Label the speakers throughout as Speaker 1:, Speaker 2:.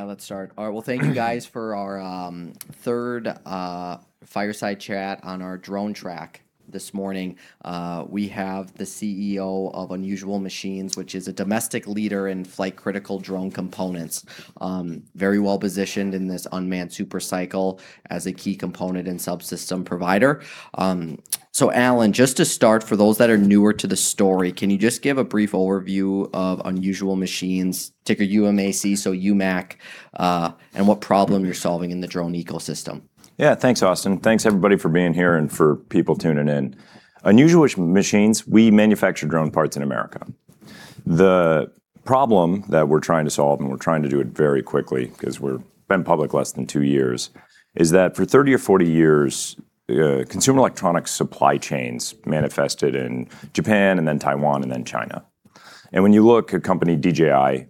Speaker 1: Yeah, let's start. All right, well, thank you guys for our third fireside chat on our drone track this morning. We have the CEO of Unusual Machines, which is a domestic leader in flight-critical drone components, very well positioned in this unmanned supercycle as a key component and subsystem provider. So Allan, just to start, for those that are newer to the story, can you just give a brief overview of Unusual Machines, ticker UMAC, so UMAC, and what problem you're solving in the drone ecosystem?
Speaker 2: Yeah, thanks, Austin. Thanks, everybody, for being here and for people tuning in. Unusual Machines, we manufacture drone parts in America. The problem that we're trying to solve, and we're trying to do it very quickly because we've been public less than two years, is that for 30 or 40 years, consumer electronics supply chains manifested in Japan, and then Taiwan, and then China, and when you look, a company, DJI,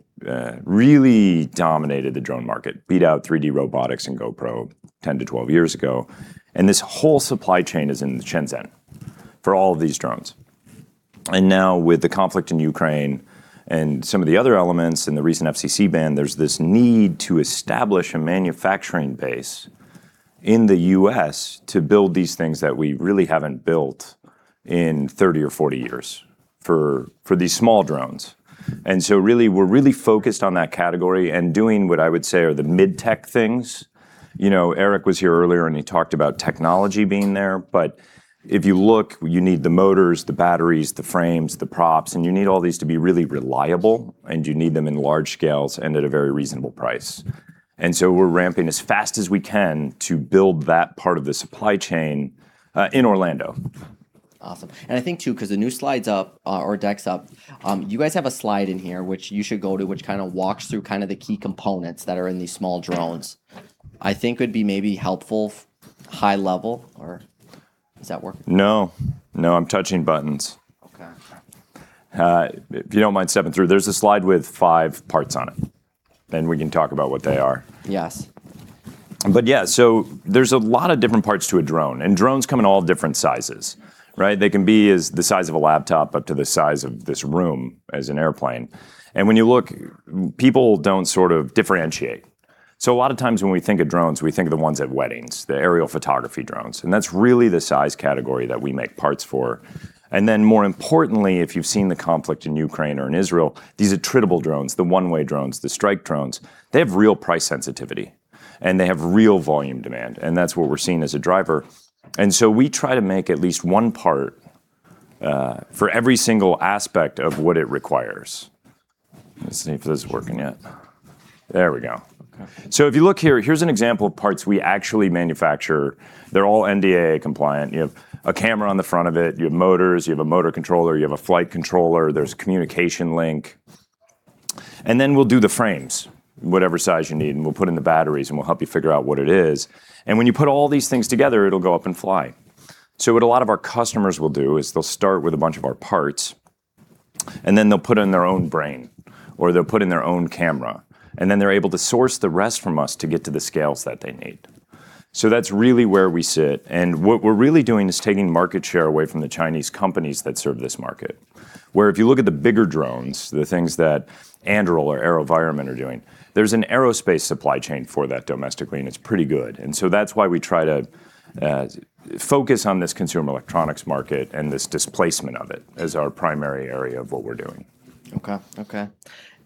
Speaker 2: really dominated the drone market, beat out 3D Robotics and GoPro 10 to 12 years ago, and this whole supply chain is in the Shenzhen for all of these drones, and now, with the conflict in Ukraine and some of the other elements and the recent FCC ban, there's this need to establish a manufacturing base in the U.S. to build these things that we really haven't built in 30 or 40 years for these small drones. And so really, we're really focused on that category and doing what I would say are the mid-tech things. You know, Eric was here earlier, and he talked about technology being there. But if you look, you need the motors, the batteries, the frames, the props, and you need all these to be really reliable, and you need them in large scales and at a very reasonable price. And so we're ramping as fast as we can to build that part of the supply chain in Orlando.
Speaker 1: Awesome, and I think, too, because the new slides up, or decks up, you guys have a slide in here which you should go to, which kind of walks through kind of the key components that are in these small drones. I think it would be maybe helpful high level, or does that work?
Speaker 2: No, no, I'm touching buttons.
Speaker 1: Okay.
Speaker 2: If you don't mind stepping through, there's a slide with five parts on it, and we can talk about what they are.
Speaker 1: Yes.
Speaker 2: Yeah, so there's a lot of different parts to a drone, and drones come in all different sizes, right? They can be as the size of a laptop up to the size of this room as an airplane. When you look, people don't sort of differentiate. A lot of times when we think of drones, we think of the ones at weddings, the aerial photography drones, and that's really the size category that we make parts for. Then, more importantly, if you've seen the conflict in Ukraine or in Israel, these are attritable drones, the one-way drones, the strike drones. They have real price sensitivity, and they have real volume demand, and that's what we're seeing as a driver. We try to make at least one part for every single aspect of what it requires. Let's see if this is working yet. There we go. So if you look here, here's an example of parts we actually manufacture. They're all NDAA compliant. You have a camera on the front of it, you have motors, you have a motor controller, you have a flight controller, there's a communication link. And then we'll do the frames, whatever size you need, and we'll put in the batteries, and we'll help you figure out what it is. And when you put all these things together, it'll go up and fly. So what a lot of our customers will do is they'll start with a bunch of our parts, and then they'll put in their own brain, or they'll put in their own camera, and then they're able to source the rest from us to get to the scales that they need. So that's really where we sit. And what we're really doing is taking market share away from the Chinese companies that serve this market, where if you look at the bigger drones, the things that Anduril or AeroVironment are doing, there's an aerospace supply chain for that domestically, and it's pretty good. And so that's why we try to focus on this consumer electronics market and this displacement of it as our primary area of what we're doing.
Speaker 1: Okay, okay.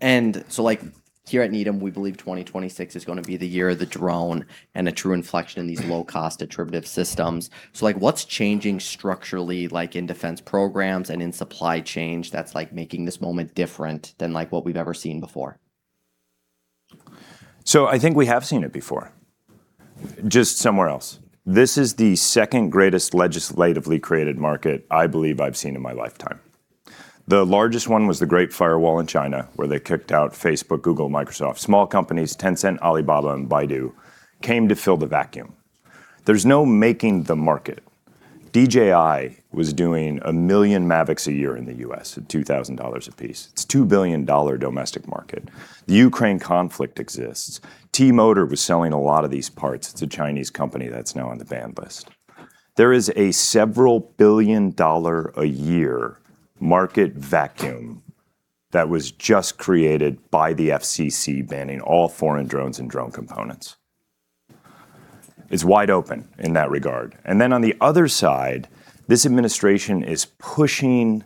Speaker 1: And so, like, here at Needham, we believe 2026 is going to be the year of the drone and a true inflection in these low-cost attritable systems. So, like, what's changing structurally, like, in defense programs and in supply chain that's, like, making this moment different than, like, what we've ever seen before?
Speaker 2: So I think we have seen it before, just somewhere else. This is the second greatest legislatively created market I believe I've seen in my lifetime. The largest one was the Great Firewall in China, where they kicked out Facebook, Google, Microsoft. Small companies, Tencent, Alibaba, and Baidu came to fill the vacuum. There's no making the market. DJI was doing a million Mavics a year in the U.S. at $2,000 apiece. It's a $2 billion domestic market. The Ukraine conflict exists. T-Motor was selling a lot of these parts. It's a Chinese company that's now on the banned list. There is a several billion dollar a year market vacuum that was just created by the FCC banning all foreign drones and drone components. It's wide open in that regard. And then on the other side, this administration is pushing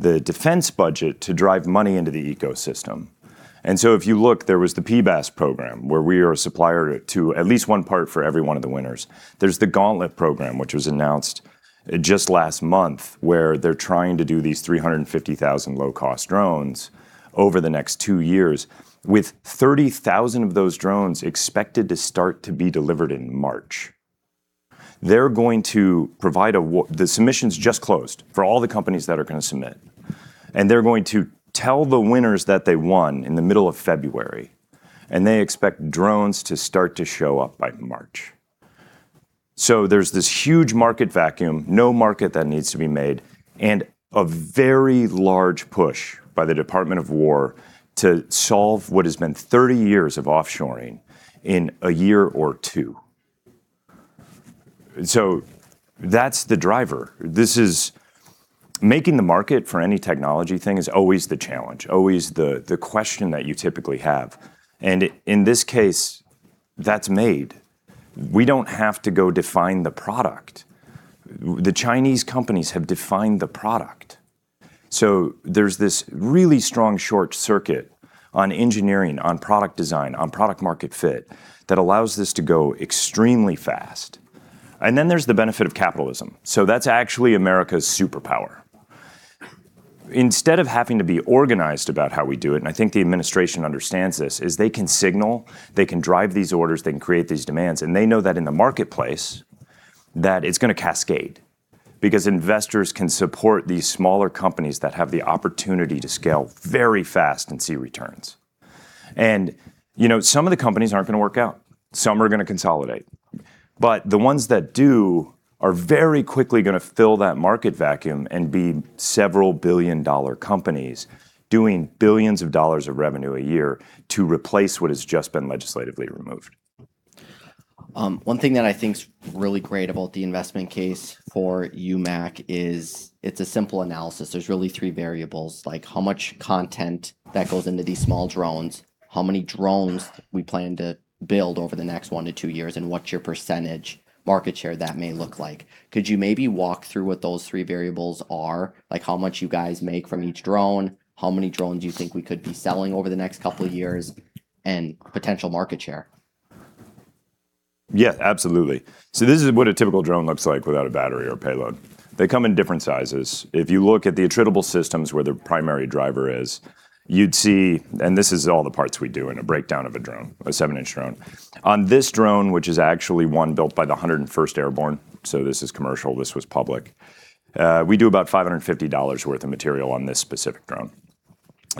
Speaker 2: the defense budget to drive money into the ecosystem. If you look, there was the PBAS program, where we are a supplier to at least one part for every one of the winners. There is the Gauntlet program, which was announced just last month, where they are trying to do these 350,000 low-cost drones over the next two years, with 30,000 of those drones expected to start to be delivered in March. They are going to provide the submissions just closed for all the companies that are going to submit, and they are going to tell the winners that they won in the middle of February, and they expect drones to start to show up by March. There is this huge market vacuum, no market that needs to be made, and a very large push by the Department of Defense to solve what has been 30 years of offshoring in a year or two. That is the driver. This is making the market for any technology thing is always the challenge, always the question that you typically have, and in this case, that's made. We don't have to go define the product. The Chinese companies have defined the product, so there's this really strong short circuit on engineering, on product design, on product market fit that allows this to go extremely fast, and then there's the benefit of capitalism, so that's actually America's superpower. Instead of having to be organized about how we do it, and I think the administration understands this, is they can signal, they can drive these orders, they can create these demands, and they know that in the marketplace that it's going to cascade because investors can support these smaller companies that have the opportunity to scale very fast and see returns. You know, some of the companies aren't going to work out. Some are going to consolidate. But the ones that do are very quickly going to fill that market vacuum and be several billion-dollar companies doing billions of dollars of revenue a year to replace what has just been legislatively removed.
Speaker 1: One thing that I think's really great about the investment case for UMAC is it's a simple analysis. There's really three variables, like how much content that goes into these small drones, how many drones we plan to build over the next one to two years, and what's your percentage market share that may look like. Could you maybe walk through what those three variables are, like how much you guys make from each drone, how many drones you think we could be selling over the next couple of years, and potential market share?
Speaker 2: Yeah, absolutely. So this is what a typical drone looks like without a battery or payload. They come in different sizes. If you look at the attributable systems where the primary driver is, you'd see, and this is all the parts we do in a breakdown of a drone, a seven-inch drone. On this drone, which is actually one built by the 101st Airborne, so this is commercial, this was public, we do about $550 worth of material on this specific drone.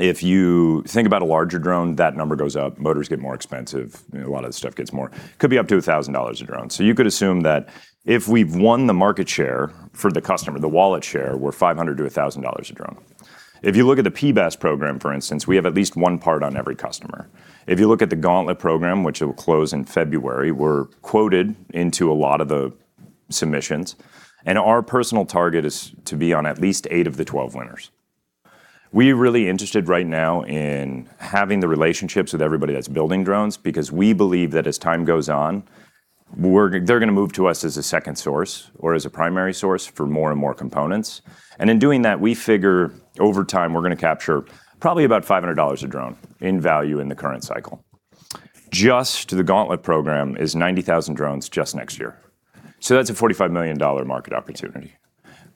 Speaker 2: If you think about a larger drone, that number goes up, motors get more expensive, a lot of the stuff gets more, could be up to $1,000 a drone. So you could assume that if we've won the market share for the customer, the wallet share, we're $500 to $1,000 a drone. If you look at the PBAS program, for instance, we have at least one part on every customer. If you look at the Gauntlet program, which will close in February, we're quoted into a lot of the submissions, and our personal target is to be on at least eight of the 12 winners. We are really interested right now in having the relationships with everybody that's building drones because we believe that as time goes on, we're, they're going to move to us as a second source or as a primary source for more and more components. And in doing that, we figure over time we're going to capture probably about $500 a drone in value in the current cycle. Just the Gauntlet program is 90,000 drones just next year. So that's a $45 million market opportunity.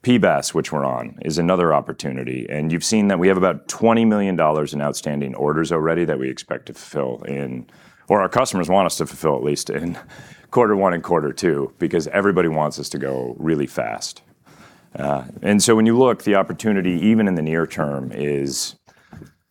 Speaker 2: PBAS, which we're on, is another opportunity, and you've seen that we have about $20 million in outstanding orders already that we expect to fulfill in, or our customers want us to fulfill at least in quarter one and quarter two because everybody wants us to go really fast, and so when you look, the opportunity, even in the near term, is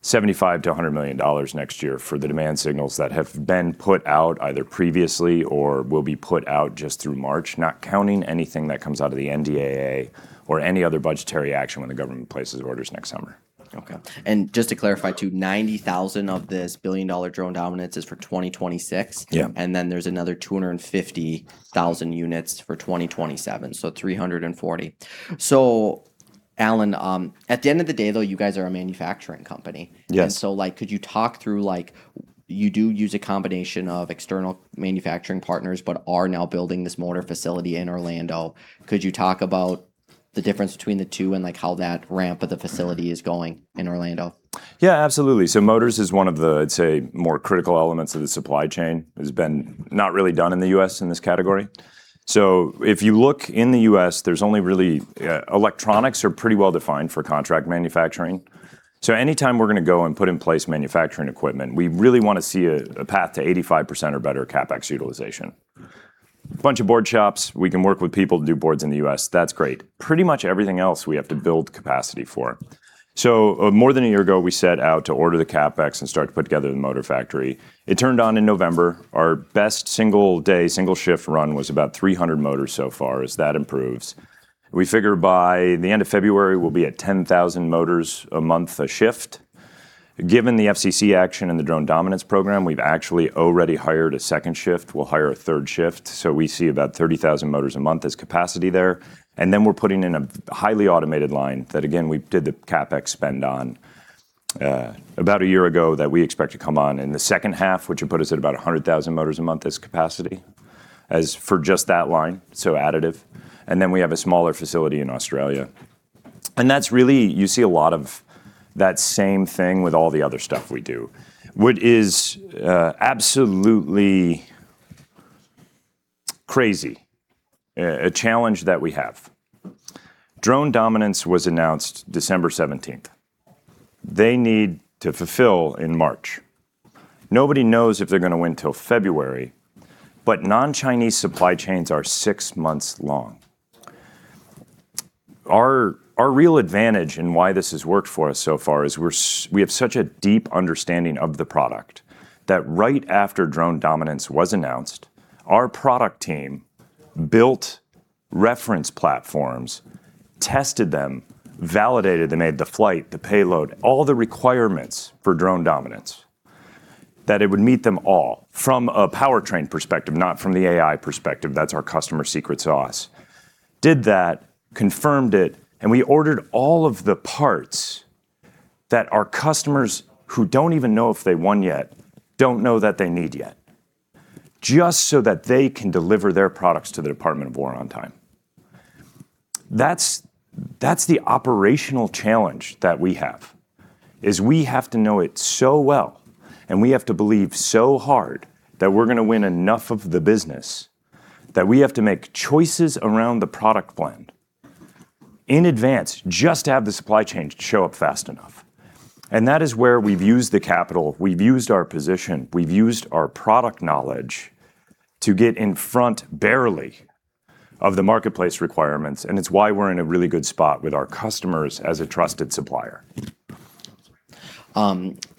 Speaker 2: $75 million-$100 million next year for the demand signals that have been put out either previously or will be put out just through March, not counting anything that comes out of the NDAA or any other budgetary action when the government places orders next summer.
Speaker 1: Okay. Just to clarify, too, 90,000 of this billion-dollar Drone Dominance is for 2026.
Speaker 2: Yeah.
Speaker 1: And then there's another 250,000 units for 2027, so 340,000. So, Allan, at the end of the day, though, you guys are a manufacturing company.
Speaker 2: Yes.
Speaker 1: And so, like, could you talk through, like, you do use a combination of external manufacturing partners, but are now building this motor facility in Orlando. Could you talk about the difference between the two and, like, how that ramp of the facility is going in Orlando?
Speaker 2: Yeah, absolutely. So motors is one of the, I'd say, more critical elements of the supply chain. It has been not really done in the U.S. in this category. So if you look in the U.S., there's only really, electronics are pretty well defined for contract manufacturing. So anytime we're going to go and put in place manufacturing equipment, we really want to see a path to 85% or better CapEx utilization. A bunch of board shops, we can work with people to do boards in the U.S., that's great. Pretty much everything else we have to build capacity for. So, more than a year ago, we set out to order the CapEx and start to put together the motor factory. It turned on in November. Our best single-day, single-shift run was about 300 motors so far as that improves. We figure by the end of February, we'll be at 10,000 motors a month a shift. Given the FCC action and the Drone Dominance program, we've actually already hired a second shift. We'll hire a third shift. So we see about 30,000 motors a month as capacity there. We're putting in a highly automated line that, again, we did the CapEx spend on, about a year ago that we expect to come on in the second half, which will put us at about 100,000 motors a month as capacity as for just that line, so additive. We have a smaller facility in Australia. That's really, you see a lot of that same thing with all the other stuff we do, which is, absolutely crazy, a challenge that we have. Drone Dominance was announced December 17th. They need to fulfill in March. Nobody knows if they're going to win till February, but non-Chinese supply chains are six months long. Our real advantage and why this has worked for us so far is we have such a deep understanding of the product that right after Drone Dominance was announced, our product team built reference platforms, tested them, validated them, made the flight, the payload, all the requirements for Drone Dominance, that it would meet them all from a powertrain perspective, not from the AI perspective. That's our customer secret sauce. Did that, confirmed it, and we ordered all of the parts that our customers who don't even know if they won yet, don't know that they need yet, just so that they can deliver their products to the Department of War on time. That's, that's the operational challenge that we have, is we have to know it so well, and we have to believe so hard that we're going to win enough of the business that we have to make choices around the product plan in advance just to have the supply chain show up fast enough, and that is where we've used the capital, we've used our position, we've used our product knowledge to get in front barely of the marketplace requirements, and it's why we're in a really good spot with our customers as a trusted supplier.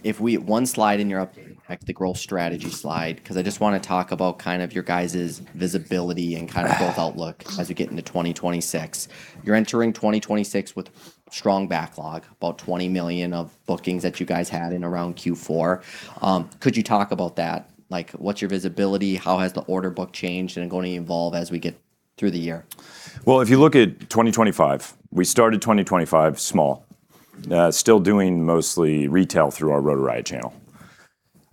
Speaker 1: If we, one slide in your update, the growth strategy slide, because I just want to talk about kind of your guys' visibility and kind of growth outlook as we get into 2026. You're entering 2026 with strong backlog, about $20 million of bookings that you guys had in around Q4. Could you talk about that? Like, what's your visibility? How has the order book changed and going to evolve as we get through the year?
Speaker 2: If you look at 2025, we started 2025 small, still doing mostly retail through our Rotor Riot channel.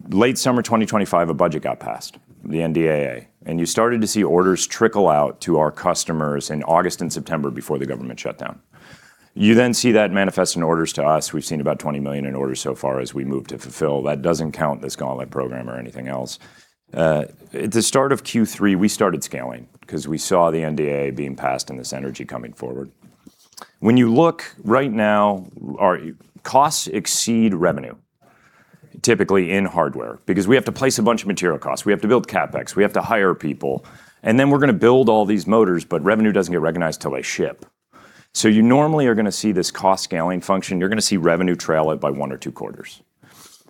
Speaker 2: Late summer 2025, a budget got passed, the NDAA, and you started to see orders trickle out to our customers in August and September before the government shut down. You then see that manifest in orders to us. We've seen about $20 million in orders so far as we move to fulfill. That doesn't count this Gauntlet program or anything else. At the start of Q3, we started scaling because we saw the NDAA being passed and this energy coming forward. When you look right now, our costs exceed revenue, typically in hardware, because we have to place a bunch of material costs. We have to build CapEx. We have to hire people, and then we're going to build all these motors, but revenue doesn't get recognized till they ship. You normally are going to see this cost scaling function. You're going to see revenue trail it by one or two quarters.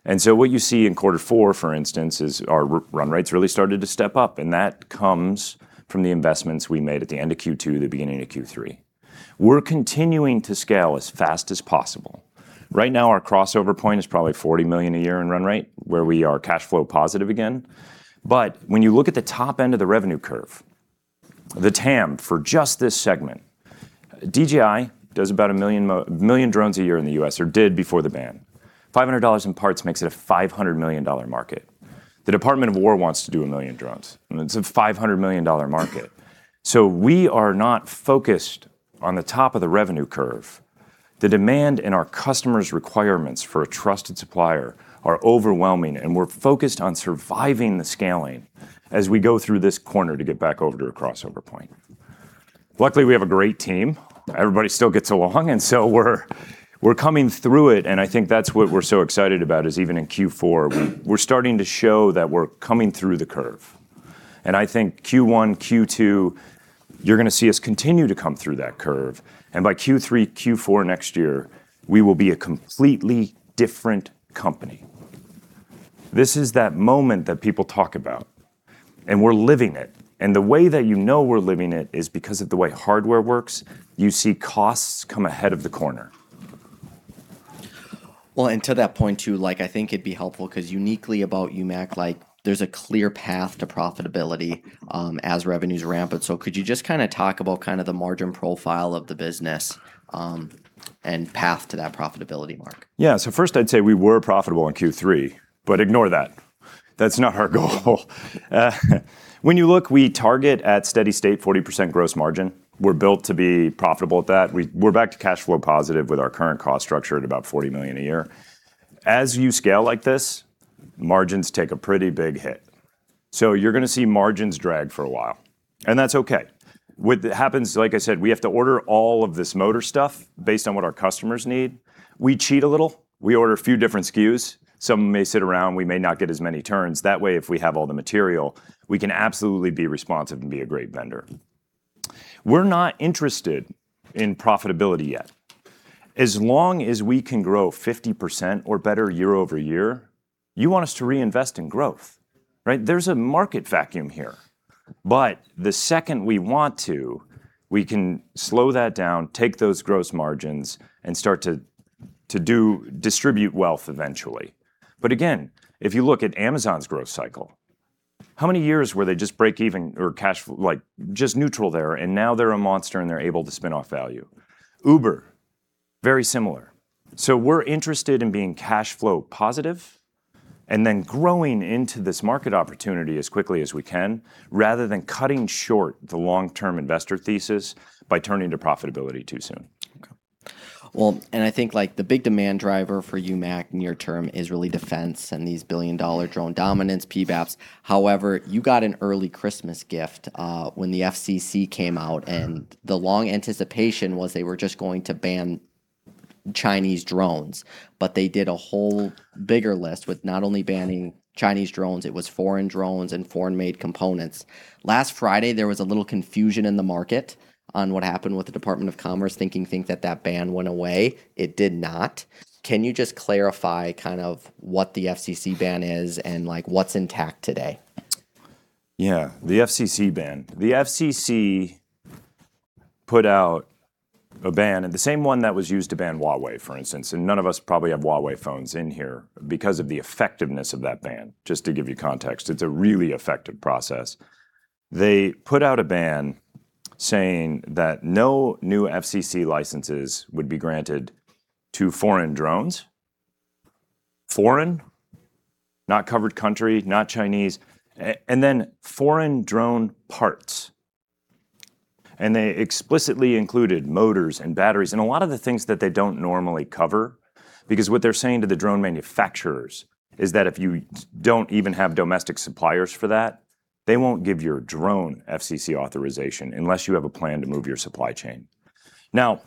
Speaker 2: And so what you see in quarter four, for instance, is our run rates really started to step up, and that comes from the investments we made at the end of Q2, the beginning of Q3. We're continuing to scale as fast as possible. Right now, our crossover point is probably $40 million a year in run rate, where we are cash flow positive again. But when you look at the top end of the revenue curve, the TAM for just this segment, DJI does about a million drones a year in the U.S., or did before the ban. $500 in parts makes it a $500 million market. The Department of War wants to do a million drones, and it's a $500 million market. We are not focused on the top of the revenue curve. The demand and our customers' requirements for a trusted supplier are overwhelming, and we're focused on surviving the scaling as we go through this corner to get back over to a crossover point. Luckily, we have a great team. Everybody still gets along, and so we're coming through it, and I think that's what we're so excited about, is even in Q4, we're starting to show that we're coming through the curve. I think Q1, Q2, you're going to see us continue to come through that curve, and by Q3, Q4 next year, we will be a completely different company. This is that moment that people talk about, and we're living it, and the way that you know we're living it is because of the way hardware works. You see costs come ahead of the corner.
Speaker 1: Well, and to that point too, like, I think it'd be helpful because uniquely about UMAC, like, there's a clear path to profitability, as revenues ramp, and so could you just kind of talk about kind of the margin profile of the business, and path to that profitability mark?
Speaker 2: Yeah, so first I'd say we were profitable in Q3, but ignore that. That's not our goal. When you look, we target at steady state, 40% gross margin. We're built to be profitable at that. We're back to cash flow positive with our current cost structure at about $40 million a year. As you scale like this, margins take a pretty big hit. So you're going to see margins drag for a while, and that's okay. What happens, like I said, we have to order all of this motor stuff based on what our customers need. We cheat a little. We order a few different SKUs. Some may sit around. We may not get as many turns. That way, if we have all the material, we can absolutely be responsive and be a great vendor. We're not interested in profitability yet. As long as we can grow 50% or better year-over-year, you want us to reinvest in growth, right? There's a market vacuum here, but the second we want to, we can slow that down, take those gross margins, and start to distribute wealth eventually. But again, if you look at Amazon's growth cycle, how many years were they just break even or cash, like just neutral there, and now they're a monster and they're able to spin off value? Uber, very similar. So we're interested in being cash flow positive and then growing into this market opportunity as quickly as we can, rather than cutting short the long-term investor thesis by turning to profitability too soon.
Speaker 1: Okay. Well, and I think, like, the big demand driver for UMAC near term is really defense and these billion-dollar Drone Dominance, PBAS. However, you got an early Christmas gift, when the FCC came out, and the long anticipation was they were just going to ban Chinese drones, but they did a whole bigger list with not only banning Chinese drones, it was foreign drones and foreign-made components. Last Friday, there was a little confusion in the market on what happened with the Department of Commerce, thinking that that ban went away. It did not. Can you just clarify kind of what the FCC ban is and, like, what's intact today?
Speaker 2: Yeah, the FCC ban. The FCC put out a ban, the same one that was used to ban Huawei, for instance, and none of us probably have Huawei phones in here because of the effectiveness of that ban, just to give you context. It's a really effective process. They put out a ban saying that no new FCC licenses would be granted to foreign drones, foreign not-covered-country, not Chinese, and then foreign drone parts, and they explicitly included motors and batteries and a lot of the things that they don't normally cover because what they're saying to the drone manufacturers is that if you don't even have domestic suppliers for that, they won't give your drone FCC authorization unless you have a plan to move your supply chain. Now,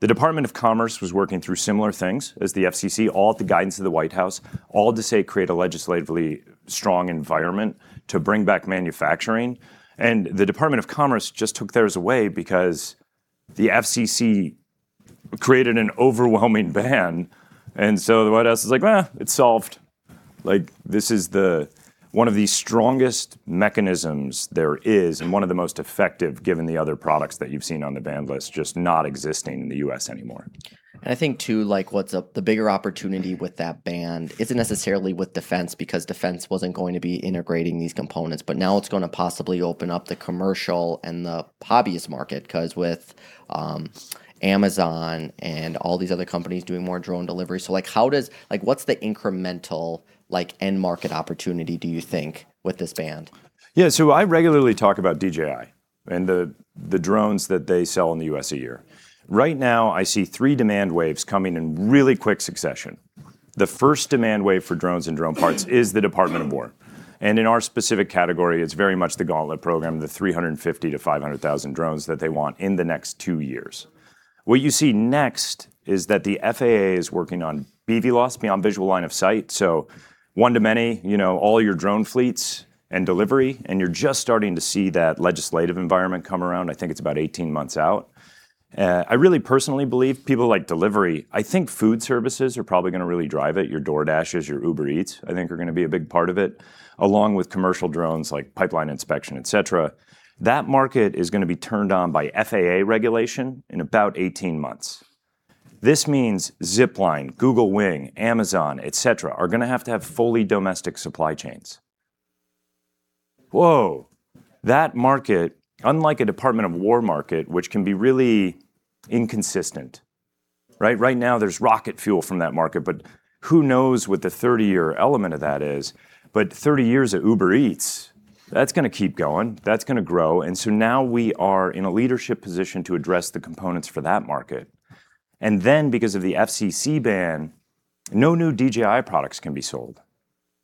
Speaker 2: the Department of Commerce was working through similar things as the FCC, all at the guidance of the White House, all to say create a legislatively strong environment to bring back manufacturing, and the Department of Commerce just took theirs away because the FCC created an overwhelming ban, and so the White House was like, well, it's solved. Like, this is one of the strongest mechanisms there is and one of the most effective given the other products that you've seen on the ban list, just not existing in the U.S. anymore.
Speaker 1: And I think too, like, what's the bigger opportunity with that ban? It isn't necessarily with defense because defense wasn't going to be integrating these components, but now it's going to possibly open up the commercial and the hobbyist market because with Amazon and all these other companies doing more drone delivery. So, like, how does, like, what's the incremental, like, end market opportunity do you think with this ban?
Speaker 2: Yeah, so I regularly talk about DJI and the drones that they sell in the U.S. a year. Right now, I see three demand waves coming in really quick succession. The first demand wave for drones and drone parts is the Department of War, and in our specific category, it's very much the Gauntlet program, the 350,000 to 500,000 drones that they want in the next two years. What you see next is that the FAA is working on BVLOS, Beyond Visual Line of Sight. So, one to many, you know, all your drone fleets and delivery, and you're just starting to see that legislative environment come around. I think it's about 18 months out. I really personally believe people like delivery. I think food services are probably going to really drive it. Your DoorDash's, your Uber Eats, I think are going to be a big part of it, along with commercial drones like pipeline inspection, et cetera. That market is going to be turned on by FAA regulation in about 18 months. This means Zipline, Google Wing, Amazon, et cetera, are going to have to have fully domestic supply chains. Whoa, that market, unlike a Department of War market, which can be really inconsistent, right? Right now, there's rocket fuel from that market, but who knows what the 30-year element of that is, but 30 years at Uber Eats, that's going to keep going. That's going to grow. And so now we are in a leadership position to address the components for that market. And then, because of the FCC ban, no new DJI products can be sold.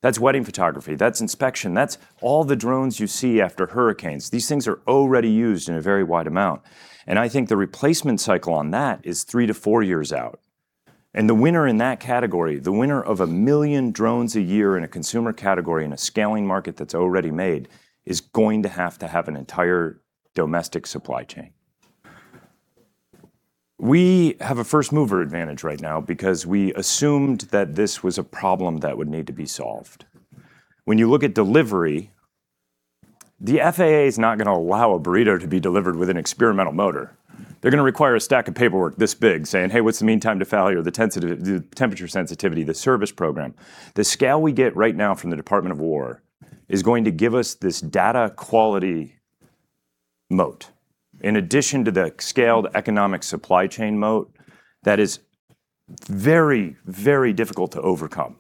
Speaker 2: That's wedding photography. That's inspection. That's all the drones you see after hurricanes. These things are already used in a very wide amount, and I think the replacement cycle on that is three to four years out, and the winner in that category, the winner of a million drones a year in a consumer category in a scaling market that's already made, is going to have to have an entire domestic supply chain. We have a first mover advantage right now because we assumed that this was a problem that would need to be solved. When you look at delivery, the FAA is not going to allow a burrito to be delivered with an experimental motor. They're going to require a stack of paperwork this big saying, "hey, what's the mean time to failure, the temperature sensitivity, the service program." The scale we get right now from the Department of War is going to give us this data quality moat. In addition to the scaled economic supply chain moat, that is very, very difficult to overcome,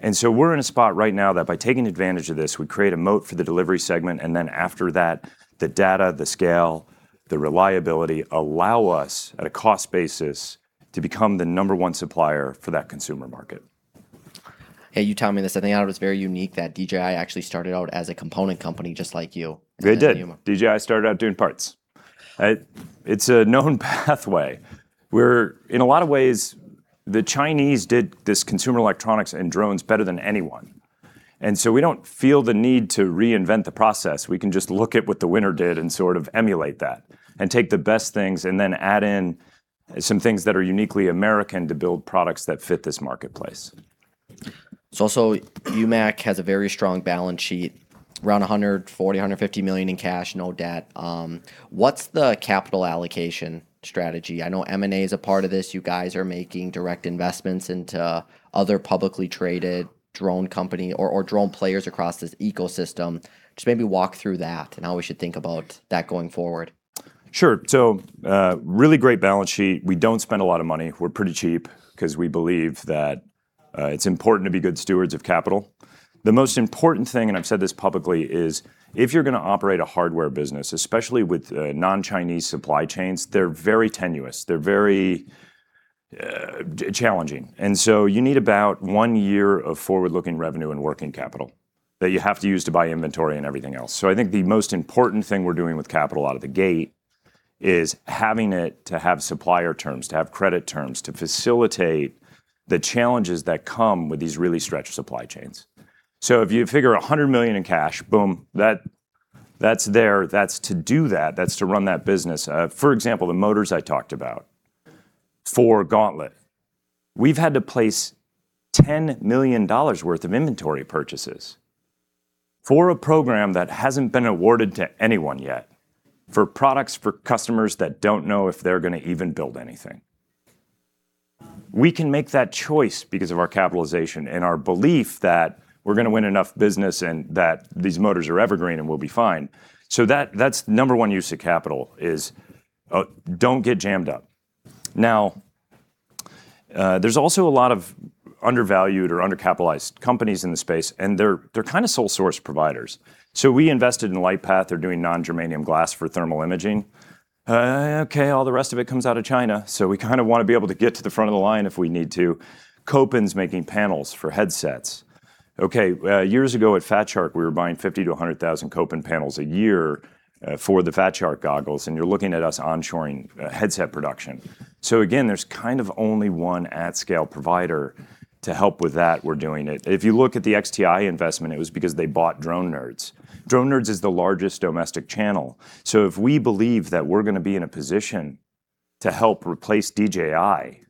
Speaker 2: and so we're in a spot right now that by taking advantage of this, we create a moat for the delivery segment, and then after that, the data, the scale, the reliability allow us, at a cost basis, to become the number one supplier for that consumer market.
Speaker 1: Hey, you tell me this. I think it was very unique that DJI actually started out as a component company just like you.
Speaker 2: They did. DJI started out doing parts. It's a known pathway. We're, in a lot of ways, the Chinese did this consumer electronics and drones better than anyone. And so we don't feel the need to reinvent the process. We can just look at what the winner did and sort of emulate that and take the best things and then add in some things that are uniquely American to build products that fit this marketplace.
Speaker 1: So also, UMAC has a very strong balance sheet, around $140 million-$150 million in cash, no debt. What's the capital allocation strategy? I know M&A is a part of this. You guys are making direct investments into other publicly traded drone companies or drone players across this ecosystem. Just maybe walk through that and how we should think about that going forward.
Speaker 2: Sure. So, really great balance sheet. We don't spend a lot of money. We're pretty cheap because we believe that, it's important to be good stewards of capital. The most important thing, and I've said this publicly, is if you're going to operate a hardware business, especially with non-Chinese supply chains, they're very tenuous. They're very challenging. And so you need about one year of forward-looking revenue and working capital that you have to use to buy inventory and everything else. So I think the most important thing we're doing with capital out of the gate is having it to have supplier terms, to have credit terms, to facilitate the challenges that come with these really stretched supply chains. So if you figure $100 million in cash, boom, that's there. That's to do that. That's to run that business. For example, the motors I talked about for Gauntlet, we've had to place $10 million worth of inventory purchases for a program that hasn't been awarded to anyone yet for products for customers that don't know if they're going to even build anything. We can make that choice because of our capitalization and our belief that we're going to win enough business and that these motors are evergreen and we'll be fine. So that's number one use of capital: oh, don't get jammed up. Now, there's also a lot of undervalued or undercapitalized companies in the space, and they're kind of sole source providers. So we invested in LightPath. They're doing non-germanium glass for thermal imaging. Okay, all the rest of it comes out of China. So we kind of want to be able to get to the front of the line if we need to. Kopin's making panels for headsets. Okay, years ago at Fat Shark, we were buying 50,000-100,000 Kopin panels a year for the Fat Shark goggles. And you're looking at us onshoring headset production. So again, there's kind of only one at-scale provider to help with that. We're doing it. If you look at the XTI investment, it was because they bought Drone Nerds. Drone Nerds is the largest domestic channel. So if we believe that we're going to be in a position to help replace DJI,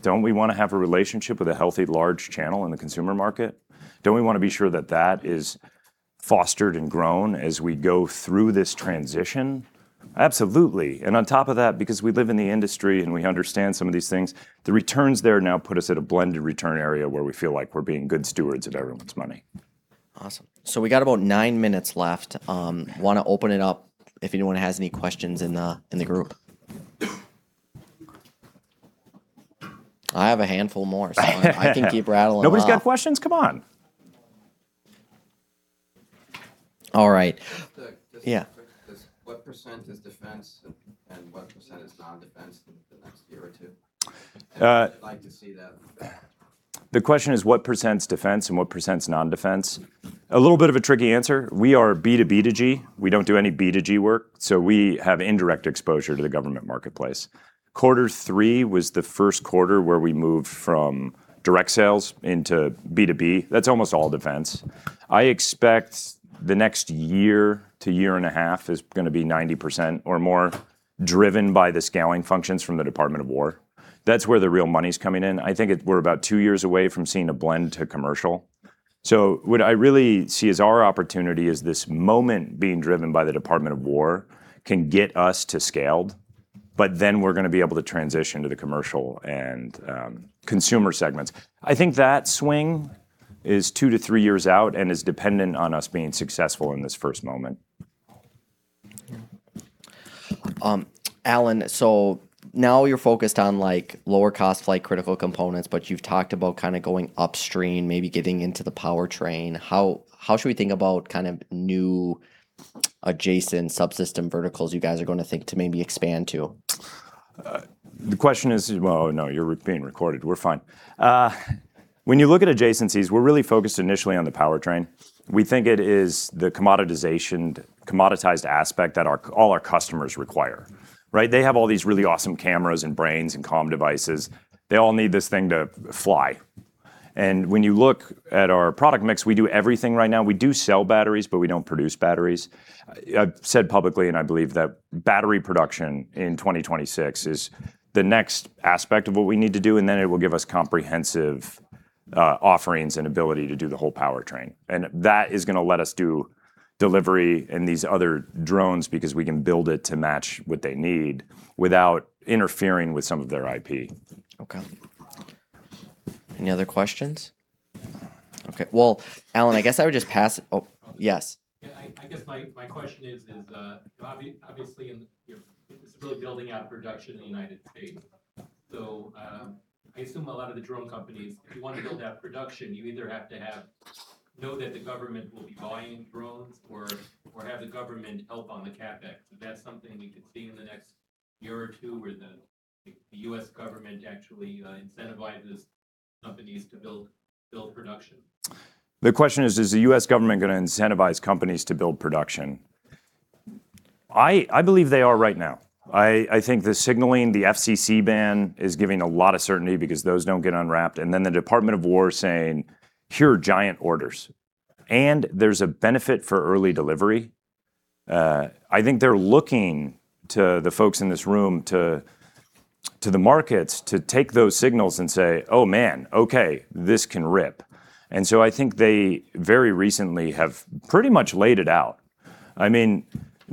Speaker 2: don't we want to have a relationship with a healthy large channel in the consumer market? Don't we want to be sure that that is fostered and grown as we go through this transition? Absolutely. On top of that, because we live in the industry and we understand some of these things, the returns there now put us at a blended return area where we feel like we're being good stewards of everyone's money.
Speaker 1: Awesome. So we got about nine minutes left. Want to open it up if anyone has any questions in the group? I have a handful more, so I can keep rattling.
Speaker 2: Nobody's got questions? Come on.
Speaker 1: All right. Yeah. What percent is defense and what percent is non-defense in the next year or two?
Speaker 2: The question is what percent's defense and what percent's non-defense? A little bit of a tricky answer. We are B2B2G. We don't do any B2G work, so we have indirect exposure to the government marketplace. Quarter three was the first quarter where we moved from direct sales into B2B. That's almost all defense. I expect the next year to year and a half is going to be 90% or more driven by the scaling functions from the Department of War. That's where the real money's coming in. I think we're about two years away from seeing a blend to commercial. So what I really see as our opportunity is this moment being driven by the Department of War can get us to scale, but then we're going to be able to transition to the commercial and consumer segments. I think that swing is two to three years out and is dependent on us being successful in this first moment.
Speaker 1: Allan, so now you're focused on, like, lower-cost flight-critical components, but you've talked about kind of going upstream, maybe getting into the powertrain. How, how should we think about kind of new adjacent subsystem verticals you guys are going to think to maybe expand to?
Speaker 2: The question is, well, no, you're being recorded. We're fine. When you look at adjacencies, we're really focused initially on the powertrain. We think it is the commoditization commoditized aspect that all our customers require, right? They have all these really awesome cameras and brains and comm devices. They all need this thing to fly, and when you look at our product mix, we do everything right now. We do sell batteries, but we don't produce batteries. I've said publicly, and I believe that battery production in 2026 is the next aspect of what we need to do, and then it will give us comprehensive offerings and ability to do the whole powertrain, and that is going to let us do delivery and these other drones because we can build it to match what they need without interfering with some of their IP.
Speaker 1: Okay. Any other questions? Okay, well, Allan, I guess I would just pass it. Oh, yes. Yeah, I guess my question is, obviously in, you know, it's really building out production in the United States. So, I assume a lot of the drone companies, if you want to build out production, you either have to know that the government will be buying drones or have the government help on the CapEx. That's something we could see in the next year or two where the U.S. government actually incentivizes companies to build production.
Speaker 2: The question is, is the U.S. government going to incentivize companies to build production? I believe they are right now. I think the signaling, the FCC ban is giving a lot of certainty because those don't get unwrapped. And then the Department of War saying, here are giant orders. And there's a benefit for early delivery. I think they're looking to the folks in this room, to the markets, to take those signals and say, oh man, okay, this can rip. And so I think they very recently have pretty much laid it out.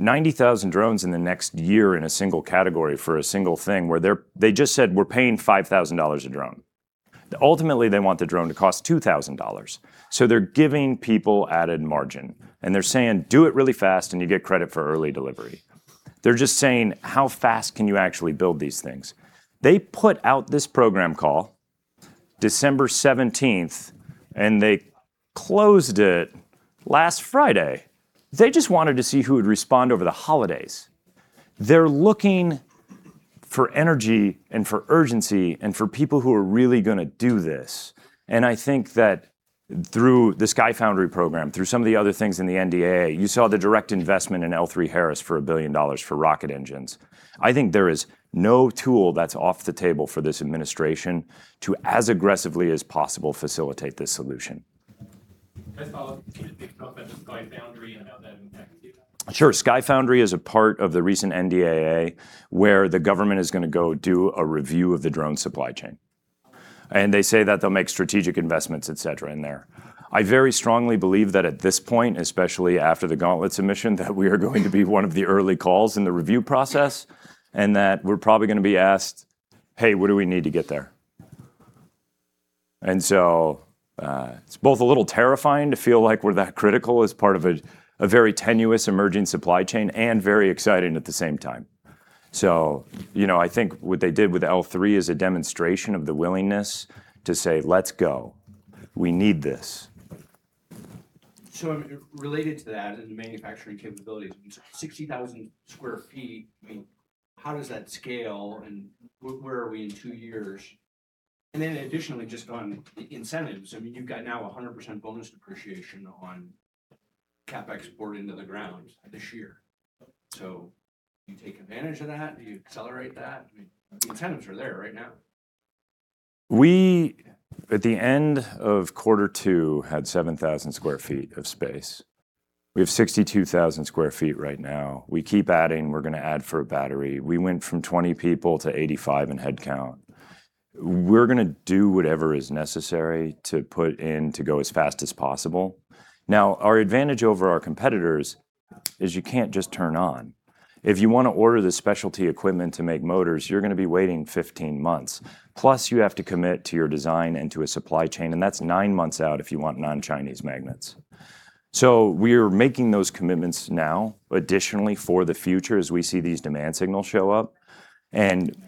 Speaker 2: I mean, 90,000 drones in the next year in a single category for a single thing where they're, they just said, we're paying $5,000 a drone. Ultimately, they want the drone to cost $2,000. So they're giving people added margin. And they're saying, do it really fast and you get credit for early delivery. They're just saying, how fast can you actually build these things? They put out this program called December 17th, and they closed it last Friday. They just wanted to see who would respond over the holidays. They're looking for energy and for urgency and for people who are really going to do this. And I think that through the Sky Foundry program, through some of the other things in the NDAA, you saw the direct investment in L3Harris for $1 billion for rocket engines. I think there is no tool that's off the table for this administration to, as aggressively as possible, facilitate this solution. Can I follow up? Can you speak to how that's Sky Foundry and how that impacts you? Sure. Sky Foundry is a part of the recent NDAA where the government is going to go do a review of the drone supply chain. And they say that they'll make strategic investments, et cetera, in there. I very strongly believe that at this point, especially after the Gauntlet submission, that we are going to be one of the early calls in the review process and that we're probably going to be asked, hey, what do we need to get there? And so, it's both a little terrifying to feel like we're that critical as part of a very tenuous emerging supply chain and very exciting at the same time. So, you know, I think what they did with L3 is a demonstration of the willingness to say, let's go. We need this. So related to that and the manufacturing capabilities, 60,000 sq ft, I mean, how does that scale and where are we in two years? And then additionally, just on the incentives, I mean, you've got now 100% bonus depreciation on CapEx poured into the ground this year. So do you take advantage of that? Do you accelerate that? I mean, the incentives are there right now. We at the end of quarter two had 7,000 sq ft of space. We have 62,000 sq ft right now. We keep adding. We're going to add for a battery. We went from 20 people to 85 in headcount. We're going to do whatever is necessary to put in to go as fast as possible. Now, our advantage over our competitors is you can't just turn on. If you want to order the specialty equipment to make motors, you're going to be waiting 15 months. Plus, you have to commit to your design and to a supply chain, and that's nine months out if you want non-Chinese magnets. So we are making those commitments now, additionally for the future as we see these demand signals show up.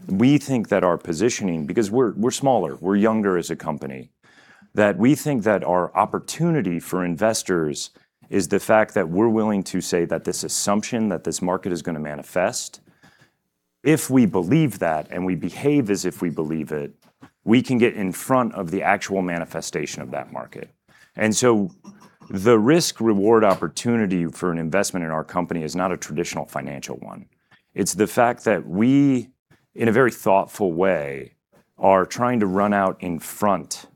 Speaker 2: We think that our positioning, because we're smaller, we're younger as a company, that we think that our opportunity for investors is the fact that we're willing to say that this assumption that this market is going to manifest. If we believe that and we behave as if we believe it, we can get in front of the actual manifestation of that market. So the risk-reward opportunity for an investment in our company is not a traditional financial one. It's the fact that we, in a very thoughtful way, are trying to run out in front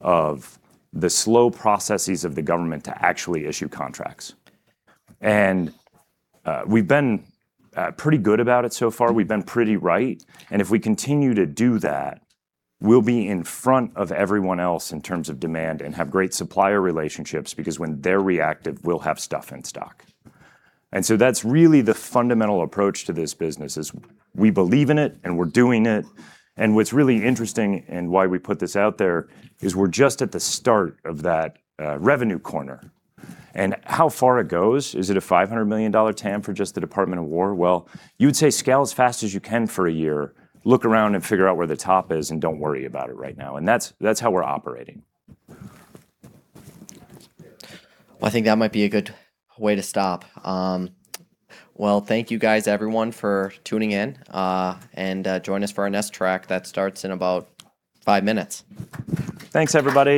Speaker 2: of the slow processes of the government to actually issue contracts. We've been pretty good about it so far. We've been pretty right. And if we continue to do that, we'll be in front of everyone else in terms of demand and have great supplier relationships because when they're reactive, we'll have stuff in stock. And so that's really the fundamental approach to this business is we believe in it and we're doing it. And what's really interesting and why we put this out there is we're just at the start of that, revenue corner. And how far it goes? Is it a $500 million TAM for just the Department of War? Well, you would say scale as fast as you can for a year, look around and figure out where the top is and don't worry about it right now. And that's how we're operating.
Speaker 1: I think that might be a good way to stop. Thank you guys, everyone, for tuning in, and join us for our next track that starts in about five minutes.
Speaker 2: Thanks, everybody.